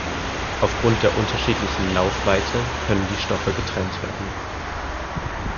Aufgrund der unterschiedlichen Laufweite können die Stoffe getrennt werden.